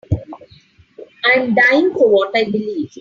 I'm dying for what I believe.